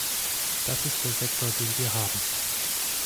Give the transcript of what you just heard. Das ist der Sektor, den wir haben.